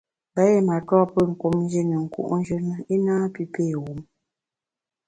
Mba yié matua pé kum Nji ne nku’njù na i napi pé wum.